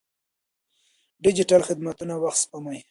ډیجیټل خدمتونه وخت سپموي.